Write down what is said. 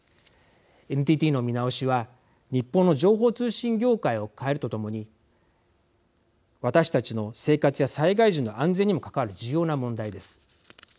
ＮＴＴの見直しは日本の情報通信業界を変えるとともに私たちの生活や災害時の安全にも関わる重要な問題です。